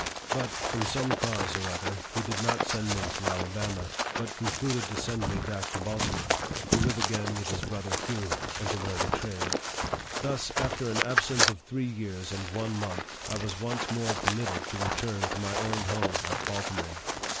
But, from some cause or other, he did not send me to Alabama, but concluded to send me back to Baltimore, to live again with his brother Hugh, and to learn a trade. Thus, after an absence of three years and one month, I was once more permitted to return to my old home at Baltimore.